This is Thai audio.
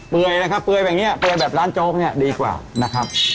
ยนะครับเปลือยแบบนี้เปลือยแบบร้านโจ๊กเนี่ยดีกว่านะครับ